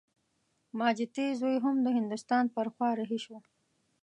ماجتي زوی هم د هندوستان پر خوا رهي شو.